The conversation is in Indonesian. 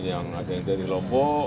ini yang ada dari lombok